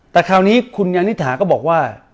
แต่คราวนี้คุณยานิษฐาก็บอกว่า